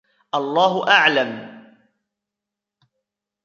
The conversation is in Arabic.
الله أعلم.